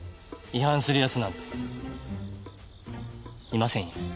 違反する奴なんていませんよ。